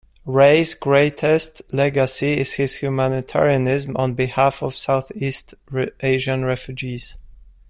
Ray's greatest legacy is his humanitarianism on behalf of Southeast Asian refugees.